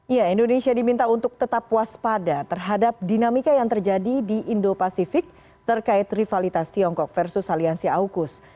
ya indonesia diminta untuk tetap waspada terhadap dinamika yang terjadi di indo pasifik terkait rivalitas tiongkok versus aliansi aukus